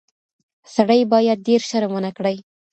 سړی باید ډیر شرم ونه کړي.